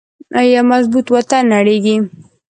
یو مضبوط وطن نړیږي